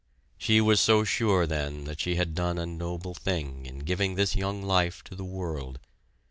She was so sure then that she had done a noble thing in giving this young life to the world.